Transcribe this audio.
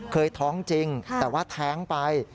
เคยท้องจริงแต่ว่าแท้งไป